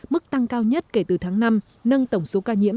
mức tăng cao nhất kể từ tháng năm nâng tổng số ca nhiễm